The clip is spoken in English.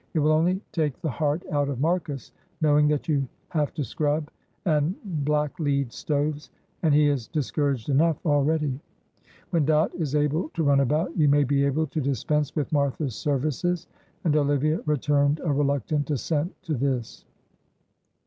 "It will only take the heart out of Marcus, knowing that you have to scrub and black lead stoves, and he is discouraged enough already. When Dot is able to run about, you may be able to dispense with Martha's services," and Olivia returned a reluctant assent to this.